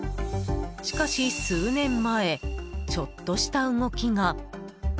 しかし、数年前ちょっとした動きが。